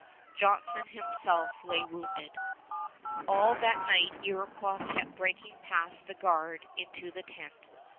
Johnson himself lay wounded. All that night Iroquois kept breaking past the guard into the tent.